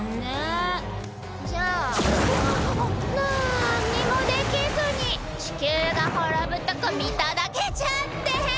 じゃあなんにもできずにチキューが滅ぶとこ見届けちゃって！